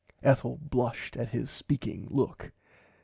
Ethel blushed at his speaking look.